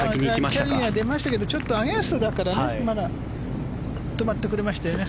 キャリーが出ましたけどまだアゲンストだから止まってくれましたよね。